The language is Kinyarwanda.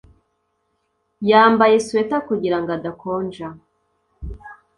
Yambaye swater kugirango adakonja